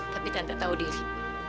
tapi tante tahu diri